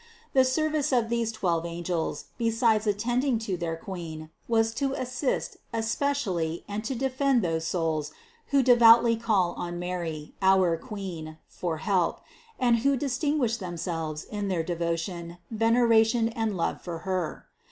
The service of these twelve angels, besides attending to their Queen, was to assist especially and to 224 CITY OF GOD defend those souls who devoutly call on Mary, our Queen, for help, and who distinguish themselves in their devotion, veneration and love for Her.